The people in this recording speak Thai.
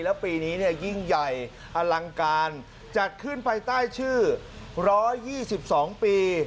แล้วปีนี้เนี่ยยิ่งใหญ่อลังการจัดขึ้นไปใต้ชื่อร้อยี่สิบสองปี